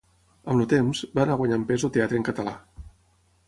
Amb el temps, va anar guanyant pes el teatre en català.